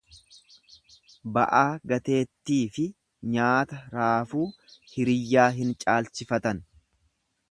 Ba'aa gateettiifi nyaata raafuu hiriyyaa hin caalchifatan.